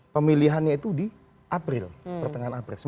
pemilihannya itu di april pertengahan april